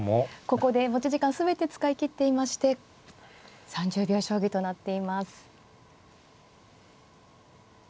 ここで持ち時間全て使い切っていまして３０秒将棋となっています。